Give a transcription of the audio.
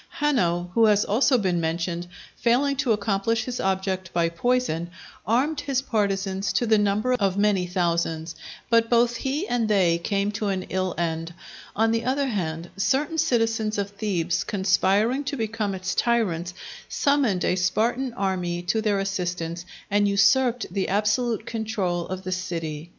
Hanno, who has also been mentioned, failing to accomplish his object by poison, armed his partisans to the number of many thousands; but both he and they came to an ill end. On the other hand, certain citizens of Thebes conspiring to become its tyrants, summoned a Spartan army to their assistance, and usurped the absolute control of the city.